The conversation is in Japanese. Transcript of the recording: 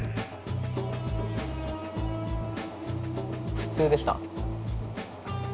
普通でした。